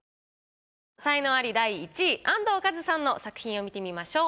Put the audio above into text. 才能アリ第１位安藤和津さんの作品を見てみましょう。